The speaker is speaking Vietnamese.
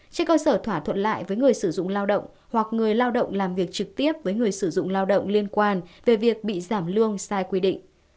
trên cơ sở thỏa thuận lại với người sử dụng lao động hoặc người lao động làm việc trực tiếp với người sử dụng lao động liên quan về việc bị giảm lương sai quy định